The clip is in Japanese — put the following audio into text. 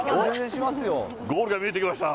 ゴールが見えてきました。